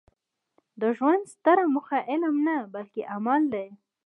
د ژوند ستره موخه علم نه؛ بلکي عمل دئ.